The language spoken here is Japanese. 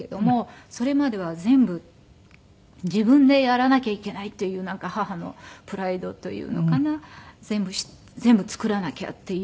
それまでは全部自分でやらなきゃいけないという母のプライドというのかな。全部作らなきゃっていう。